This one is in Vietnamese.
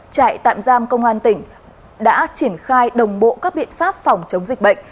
trại tạm giam công an tỉnh đã triển khai đồng bộ các biện pháp phòng chống dịch bệnh